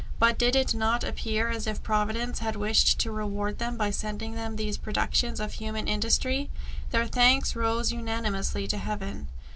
But did it not appear as if Providence had wished to reward them by sending them these productions of human industry? Their thanks rose unanimously to Heaven.